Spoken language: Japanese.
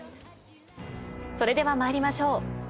それでは参りましょう。